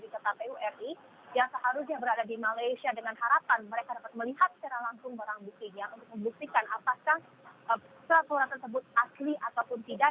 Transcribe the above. sebenarnya pihak bawaslu ri dan bkp uri yang seharusnya berada di malaysia dengan harapan mereka dapat melihat secara langsung orang bukitnya untuk membuktikan apakah selaturan tersebut asli ataupun tidak